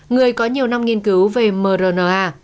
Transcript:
người có nhiều năm nghiên cứu về mrna